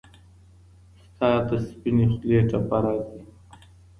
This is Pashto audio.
ستاد سپيني خولې ټپه راځـي